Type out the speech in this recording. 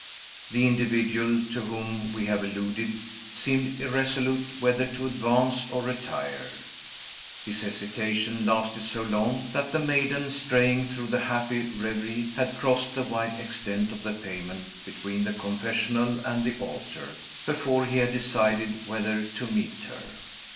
The individual to whom we have alluded seemed irresolute whether to advance or retire. His hesitation lasted so long that the maiden, straying through a happy reverie, had crossed the wide extent of the pavement between the confessional and the altar, before he had decided whether to meet her.